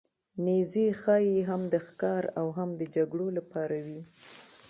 نیزې ښايي هم د ښکار او هم د جګړو لپاره وې.